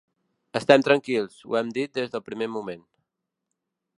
Estem tranquils, ho hem dit des del primer moment.